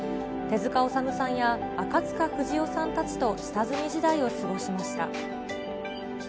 手塚治虫さんや赤塚不二夫さんたちと下積み時代を過ごしました。